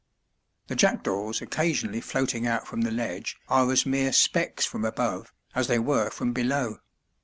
The jackdaws occasionally floating out from the ledge are as mere specks from above, as they were from below.